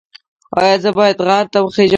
ایا زه باید غر ته وخیزم؟